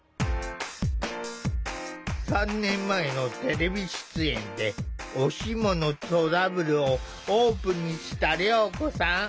３年前のテレビ出演でおシモのトラブルをオープンにしたりょうこさん。